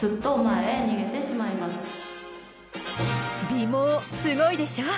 尾毛すごいでしょ？